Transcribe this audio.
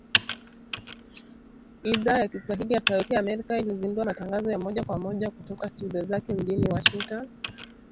Idhaa ya Kiswahili ya Sauti ya Amerika ilizindua matangazo ya moja kwa moja kutoka studio zake mjini Washington.